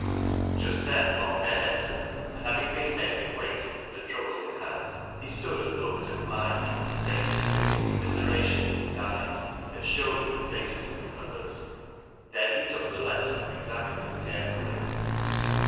Just then Long Ben entered, and having been made acquainted with the trouble in hand, he stood and looked at Lige with the same pitiful commiseration in his eyes that showed in the faces of the others. Then he took the letter and examined it care fully.